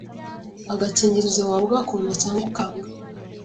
Agakingirizo waba ugakunda cyangwa ukanga,